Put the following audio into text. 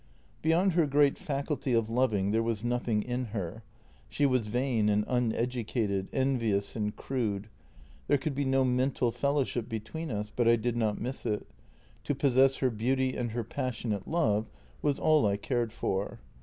" Beyond her great faculty of loving there was nothing in her. She was vain and uneducated, envious and crude. There could be no mental fellowship between us, but I did not miss it; to possess her beauty and her passionate love was all I cared for."